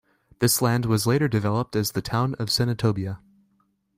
This land was later developed as the town of Senatobia.